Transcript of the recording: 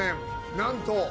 なんと。